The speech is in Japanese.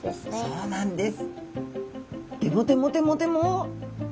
そうなんです。